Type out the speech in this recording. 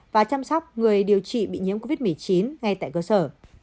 và chăm sóc người điều trị bị nhiễm covid một mươi chín ngay tại cơ sở